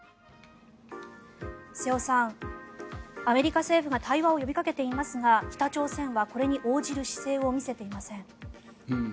瀬尾さん、アメリカ政府が対話を呼びかけていますが北朝鮮はこれに応じる姿勢を見せていません。